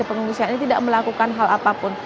pengungsian ini tidak melakukan hal apapun